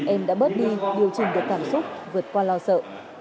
em đã bớt đi điều chỉnh được cảm xúc vượt qua lo sợ